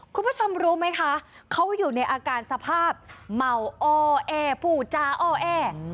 คุณผู้ชมรู้ไหมคะเขาอยู่ในอาการสภาพเมาอ้อแอผูจาอ้อแอ